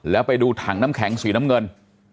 แล้วไปดูถังน้ำแข็งสีน้ำเงิน